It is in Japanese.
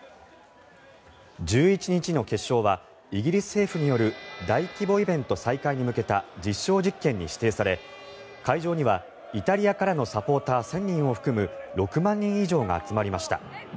１１日の決勝はイギリス政府による大規模イベント再開に向けた実証実験に指定され会場にはイタリアからのサポーター１０００人を含む６万人以上が集まりました。